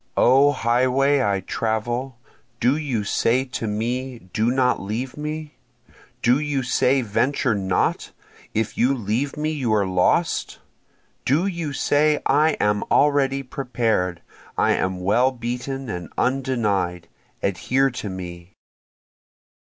O highway I travel, do you say to me Do not leave me? Do you say Venture not if you leave me you are lost? Do you say I am already prepared, I am well beaten and undenied, adhere to me?